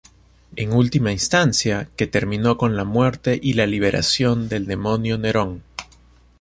En última instancia, que terminó con la muerte y la liberación del demonio Neron.